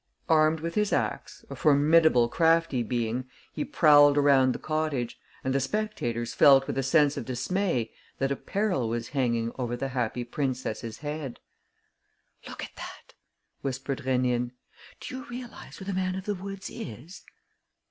Armed with his axe, a formidable, crafty being, he prowled around the cottage; and the spectators felt with a sense of dismay that a peril was hanging over the Happy Princess' head. "Look at that!" whispered Rénine. "Do you realise who the man of the woods is?"